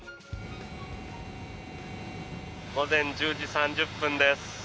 午前１０時３０分です。